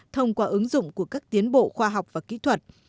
thông qua ứng dụng của các tiến bộ khoa học và kỹ thuật